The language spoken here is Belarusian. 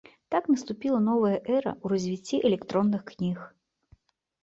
Так наступіла новая эра ў развіцці электронных кніг.